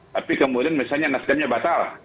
tapi kemudian misalnya nasdemnya batal